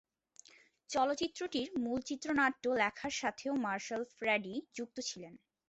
চলচ্চিত্রটির মূল চিত্রনাট্য লেখার সাথেও মার্শাল ফ্রেডি যুক্ত ছিলেন।